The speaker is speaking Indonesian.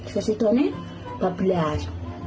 sesejauh nih babelas